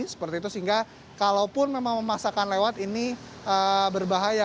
seperti itu sehingga kalaupun memang memasakkan lewat ini berbahaya